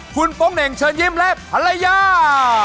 คุณโป๊งเหน่งเชิญยิ้มและภรรยา